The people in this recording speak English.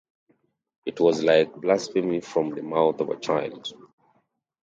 It was like blasphemy from the mouth of a child.